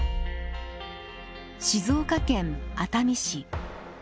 静岡県熱海市。